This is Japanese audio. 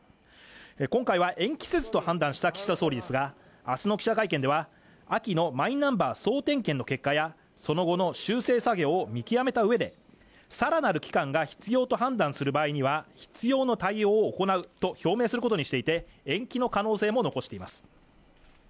今回は延期せずと判断した岸田総理ですが明日の記者会見では秋のマイナンバー総点検の結果やその後の修正作業を見極めた上でさらなる期間が必要と判断する場合には必要な対応を行うと表明することにしていて延期の可能性も残しています